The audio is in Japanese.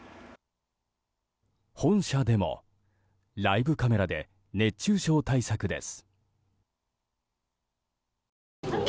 本社でもライブカメラで熱中症対策です。